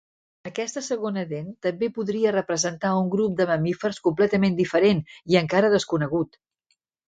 Aquesta segona dent també podria representar un grup de mamífers completament diferent i encara desconegut.